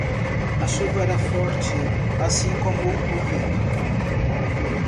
A chuva era forte, assim como o vento.